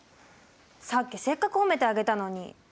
さっきせっかく褒めてあげたのに。